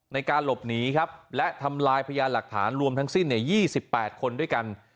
ในการหลบหนีครับและทำลายพยานหลักฐานรวมทั้งสิ้น๒๘คนด้วยกัน